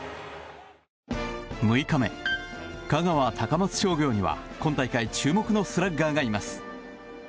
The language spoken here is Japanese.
６日目、香川・高松商業には今大会注目のスラッガーがいます。